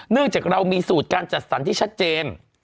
จากเรามีสูตรการจัดสรรที่ชัดเจน